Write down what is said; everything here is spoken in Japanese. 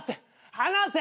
離せ！